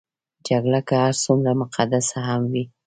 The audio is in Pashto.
جګړه که هر څومره مقدسه هم وي.